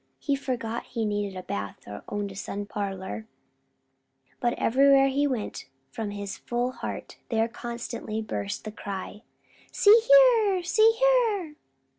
He forgot he needed a bath or owned a sun parlour; but everywhere he went, from his full heart there constantly burst the cry: "See here! See here!"